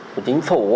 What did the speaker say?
của chính phủ